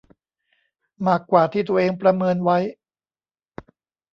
มากกว่าที่ตัวเองประเมินไว้